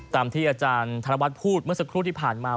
ตามที่อาจารย์ธนวัฒน์พูดเมื่อสักครู่ที่ผ่านมา